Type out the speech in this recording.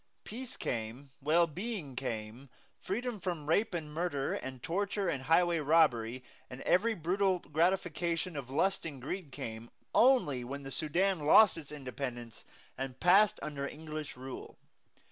Peace came, well being came, freedom from rape and murder and torture and highway robbery, and every brutal gratification of lust and greed came, only when the Sudan lost its independence and passed under English rule.